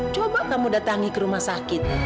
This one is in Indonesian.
coba kamu datangi ke rumah sakit